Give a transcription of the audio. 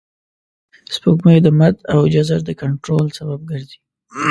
سپوږمۍ د مد او جزر د کنټرول سبب ګرځي